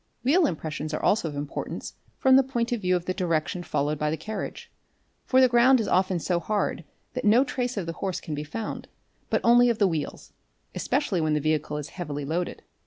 Wheel impressions are also of importance from the point of view of the direction followed by the carriage, for the ground is often so hard that no trace of the horse can be found but only of the wheels, especially when the vehicle is heavily loaded.